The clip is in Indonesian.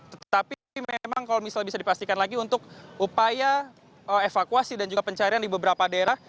tetapi memang kalau misalnya bisa dipastikan lagi untuk upaya evakuasi dan juga pencarian di beberapa daerah